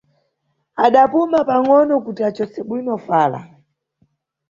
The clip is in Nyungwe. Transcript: Adapuma pangʼono kuti acose bwino fala.